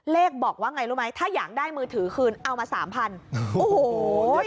บอกว่าไงรู้ไหมถ้าอยากได้มือถือคืนเอามาสามพันโอ้โห